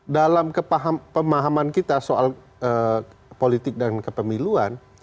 dalam pemahaman kita soal politik dan kepemiluan